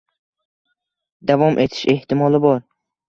davom etish ehtimoli bor